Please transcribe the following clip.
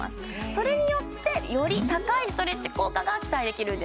それによってより高いストレッチ効果が期待できるんです